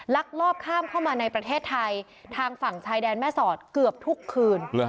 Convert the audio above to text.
ลักลอบข้ามเข้ามาในประเทศไทยทางฝั่งชายแดนแม่สอดเกือบทุกคืน